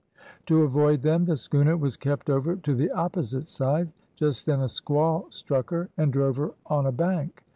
To avoid them the schooner was kept over to the opposite side. Just then a squall struck her and drove her on a bank.